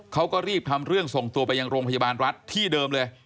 เขาก็รีบทำเรื่องส่งตัวไปยังโรงพยาบาลรัฐที่เดิมเลย